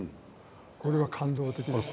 これは感動的でしたね。